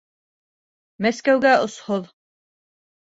Мәскәүгә осһоҙ